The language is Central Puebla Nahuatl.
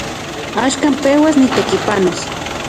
Axkan peuas nitekipanos.